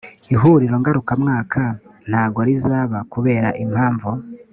ihuriro ngarukamwaka ntago rizaba kubera impamvu